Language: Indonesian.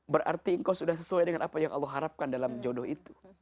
berarti engkau sudah sesuai dengan apa yang allah harapkan dalam jodoh itu